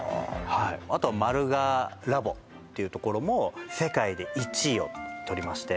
はいあとはマルガーラボっていう所も世界で１位をとりまして